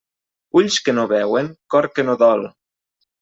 Ulls que no veuen, cor que no dol.